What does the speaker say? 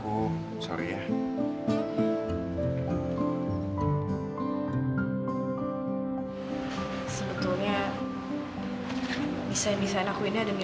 pokoknya harus ketemu